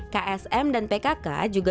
ksm dan pkk juga